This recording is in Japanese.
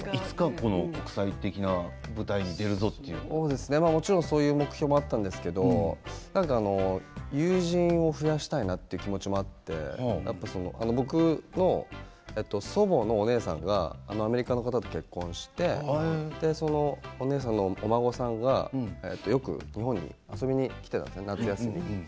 いつかそういう目標もあったんですけれど友人を増やしたいなという気持ちもあって僕の祖母のお姉さんがアメリカの方と結婚してお姉さんのお孫さんがよく日本に遊びに来ていたんです夏休み。